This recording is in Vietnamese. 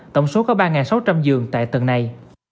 tổng số có ba sáu trăm linh giường tại tầng này